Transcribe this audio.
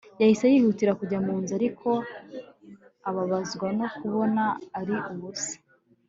yahise yihutira kujya mu nzu, ariko ababazwa no kubona ari ubusa